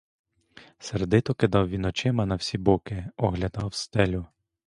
Сердито кидав він очима на всі боки, оглядав стелю.